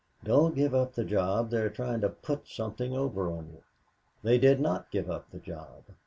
"Don't give up the job. They are trying to put something over on you." They did not give up the job.